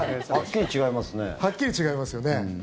はっきり違いますよね。